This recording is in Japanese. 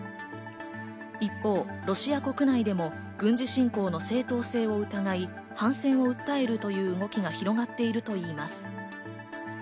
一方、ロシア国内でも軍事侵攻の正当性を疑い、反戦を訴えるという動きが広がっているといいます。